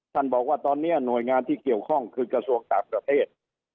บอกว่าตอนนี้หน่วยงานที่เกี่ยวข้องคือกระทรวงต่างประเทศ